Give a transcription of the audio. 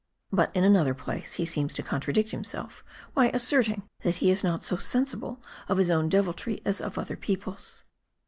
But in another place he seems to contra dict himself, by asserting, that he is not so sensible of his own deviltry as of other people's."